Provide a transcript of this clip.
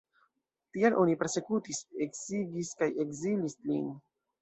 Tial oni persekutis, eksigis kaj ekzilis lin.